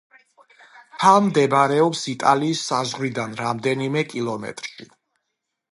მთა მდებარეობს იტალიის საზღვრიდან რამდენიმე კილომეტრში.